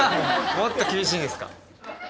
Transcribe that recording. もっと厳しいんですか？